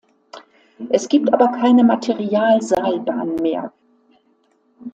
Es gibt aber keine Materialseilbahn mehr.